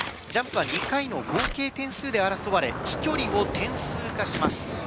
ジャンプは２回の合計点数で争われ飛距離を点数化します。